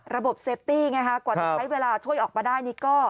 ระบบเซฟตี้ไงฮะโดยใช้เวลาช่วยออกมาได้นี่ก็